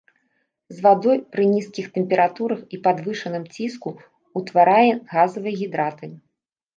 З вадой пры нізкіх тэмпературах і падвышаным ціску ўтварае газавыя гідраты.